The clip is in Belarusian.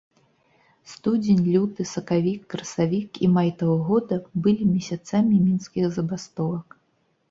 Студзень, люты, сакавік, красавік і май таго года былі месяцамі мінскіх забастовак.